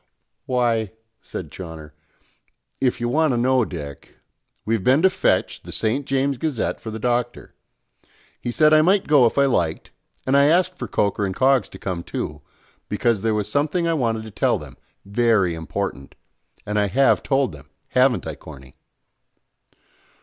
"Why," said Chawner, "if you want to know, Dick, we've been to fetch the St. James' Gazette for the Doctor. He said I might go if I liked, and I asked for Coker and Coggs to come too; because there was something I wanted to tell them, very important, and I have told them, haven't I, Corny?"